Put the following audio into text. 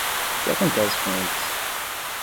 O que acontece com eles?